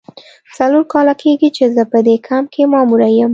څلور کاله کیږي چې زه په دې کمپ کې ماموره یم.